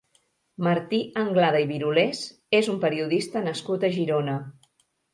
Martí Anglada i Birulés és un periodista nascut a Girona.